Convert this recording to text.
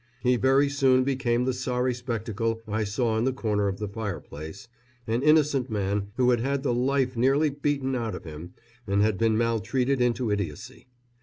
He very soon became the sorry spectacle I saw in the corner of the fireplace, an innocent man who had had the life nearly beaten out of him and had been maltreated into idiocy.